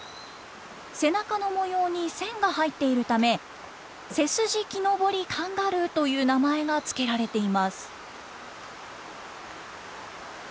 背中の模様に線が入っているためセスジキノボリカンガルーという名前が付けられています。